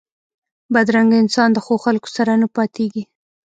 بدرنګه انسان د ښو خلکو سره نه پاتېږي